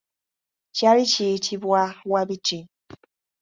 Kyali kiyitibwa Wabiti.